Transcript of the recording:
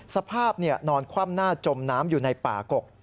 สภาพนอนคว่ำหน้าจมน้ำอยู่ในป่ากก